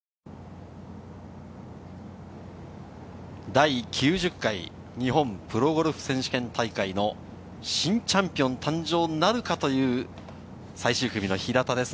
第９０回日本プロゴルフ選手権大会の新チャンピオン誕生なるか？という最終組の平田です。